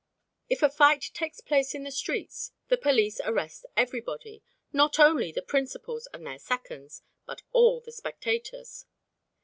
If a fight takes place in the streets, the police arrest everybody, not only the principals and their seconds, but all the spectators.